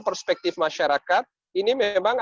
perspektif masyarakat ini memang